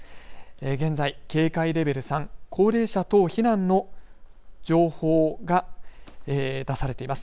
現在、警戒レベル３高齢者等避難の情報が出されています。